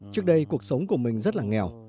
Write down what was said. trước đây cuộc sống của mình rất là nghèo